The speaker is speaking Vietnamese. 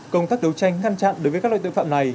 công tác đấu tranh ngăn chặn đối với các loại tội phạm này